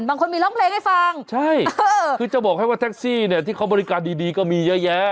บางคนมีร้องเพลงให้ฟังใช่คือจะบอกให้ว่าแท็กซี่เนี่ยที่เขาบริการดีดีก็มีเยอะแยะ